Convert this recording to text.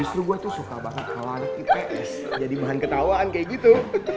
justru gue tuh suka banget kalau anak ips jadi bahan ketawaan kayak gitu